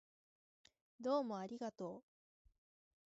どうもありがとう